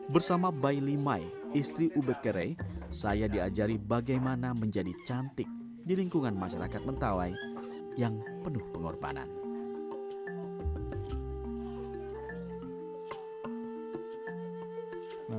bersama bayi limai istri ube kere saya diajari bagaimana menjadi cantik di lingkungan masyarakat mentawai yang penuh pengorbanan